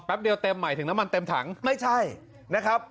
เดียวเต็มหมายถึงน้ำมันเต็มถังไม่ใช่นะครับ